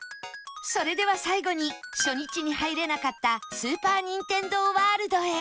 それでは最後に初日に入れなかったスーパー・ニンテンドー・ワールドへ